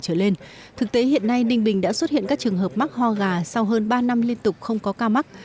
trở lên thực tế hiện nay ninh bình đã xuất hiện các trường hợp mắc ho gà sau hơn ba năm liên tục không có ca mắc